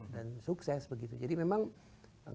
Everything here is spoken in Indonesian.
dan sukses begitu jadi memang